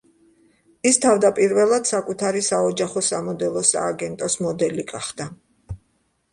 ის თავდაპირველად საკუთარი საოჯახო სამოდელო სააგენტოს მოდელი გახდა.